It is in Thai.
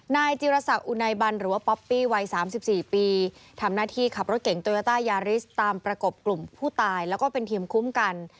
นายจิรษักอุไนบันหรือว่าป๊อปปี้วัย๓๔ปีทำหน้าที่ขับรถเก่งโตโยต้ายาริสตามประกบกลุ่มผู้ตายแล้วก็เป็นทีมคุ้มกัน